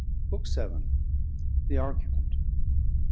BOOK VII. THE ARGUMENT.